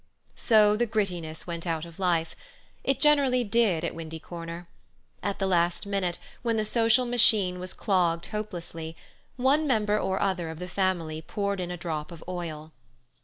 So the grittiness went out of life. It generally did at Windy Corner. At the last minute, when the social machine was clogged hopelessly, one member or other of the family poured in a drop of oil.